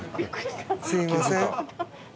すいません。